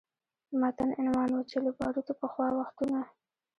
د متن عنوان و چې له باروتو پخوا وختونه